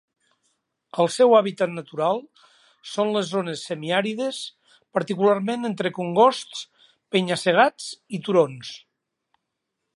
El seu hàbitat natural són les zones semiàrides, particularment entre congosts, penya-segats i turons.